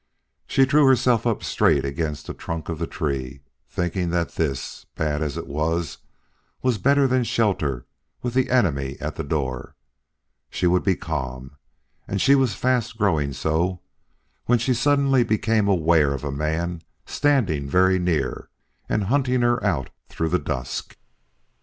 She drew herself up straight against the trunk of the tree, thinking that this, bad as it was, was better than shelter with the enemy at the door. She would be calm, and she was fast growing so when she suddenly became aware of a man standing very near and hunting her out through the dusk.